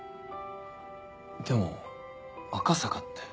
でも「赤坂」って。